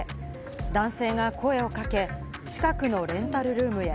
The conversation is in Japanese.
男性が声をかけ、近くのレンタルルームへ。